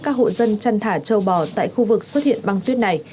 các hộ dân chăn thả châu bò tại khu vực xuất hiện băng tuyết này